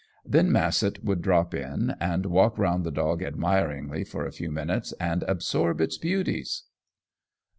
Then Massett would drop in and walk around the dog admiringly for a few minutes and absorb his beauties.